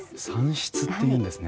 蚕室っていうんですね。